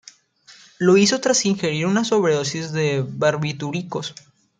Lo hizo tras ingerir una sobredosis de barbitúricos.